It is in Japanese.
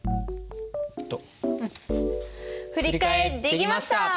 振り替えできました！